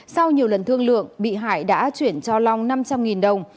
sau nhiều lần thương lượng bị hại đã chuyển cho long năm trăm linh đồng